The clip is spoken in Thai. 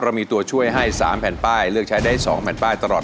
เรามีตัวช่วยให้๓แผ่นป้ายเลือกใช้ได้๒แผ่นป้ายตลอด